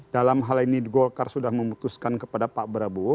dalam hal ini golkar sudah memutuskan kepada pak prabowo